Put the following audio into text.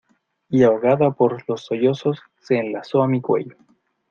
y ahogada por los sollozos se enlazó a mi cuello.